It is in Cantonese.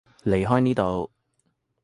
離開呢度